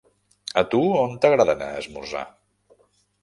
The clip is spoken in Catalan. A tu, on t'agrada anar a esmorzar?